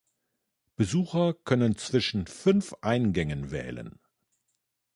Besucher können zwischen fünf Eingängen wählen.